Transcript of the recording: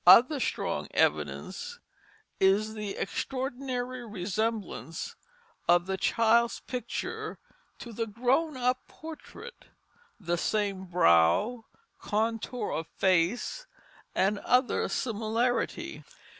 Other strong evidence is the extraordinary resemblance of the child's picture to the "grown up" portrait, the same brow, contour of face, and other similarity.